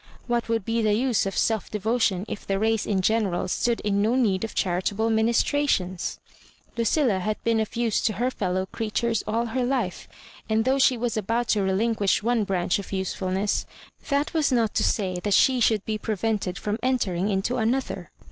— ^what would be the use of self devotion if the race in general stood in no need of chari table ministrations I Lucilla had been of use to her fellow creatures aU her life ; and though she was about to relmquish one brandi of useful ness, that was not to say that she should be prevented from entering into another.